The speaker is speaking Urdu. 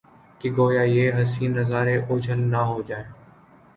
کہ گو یا یہ حسین نظارے اوجھل نہ ہو جائیں